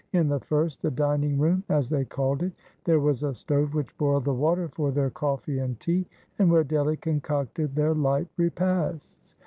In the first the dining room, as they called it there was a stove which boiled the water for their coffee and tea, and where Delly concocted their light repasts.